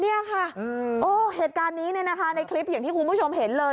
เนี่ยค่ะโอ้เหตุการณ์นี้เนี่ยนะคะในคลิปอย่างที่คุณผู้ชมเห็นเลย